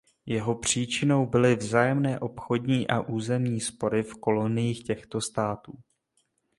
Jeho příčinou byly vzájemné obchodní a územní spory v koloniích těchto států.